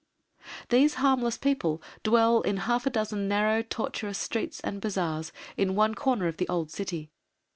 These harmless people dwell in half a dozen narrow tortuous streets and bazaars, in one corner of the old City.